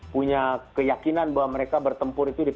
punya keyakinan bahwa mereka bertempur itu di